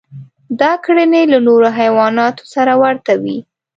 دا کړنې له نورو حیواناتو سره ورته وې.